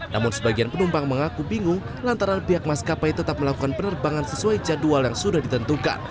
namun sebagian penumpang mengaku bingung lantaran pihak maskapai tetap melakukan penerbangan sesuai jadwal yang sudah ditentukan